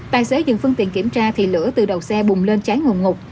tài xế dừng phương tiện kiểm tra thì lửa từ đầu xe bùng lên cháy nguồn ngục